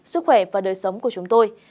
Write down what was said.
sức khỏe và đời sống của chúng tôi